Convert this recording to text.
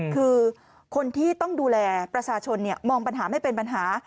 คือคนที่ต้องดูแลประชาชนมองปัญหาไม่เป็นปัญหา